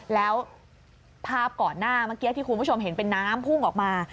แล้วภาพเกาะหน้ามันเบี้ยที่คุณมันสมเห็นเป็นน้ำพุ่งออกมา